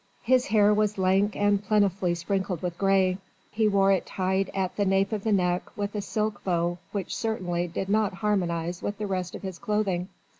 His hair was lank and plentifully sprinkled with grey: he wore it tied at the nape of the neck with a silk bow which certainly did not harmonise with the rest of his clothing.